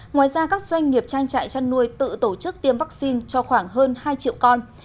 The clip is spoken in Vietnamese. ngoài ra các doanh nghiệp trang trại chăn nuôi tự tổ chức tiêm vaccine cho khoảng hơn hai triệu con